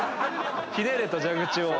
ひねれと蛇口を。